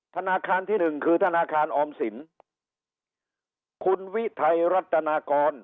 ธนาคารที่หนึ่งคือธนาคารออมสินคุณวิทัยรัฐนากร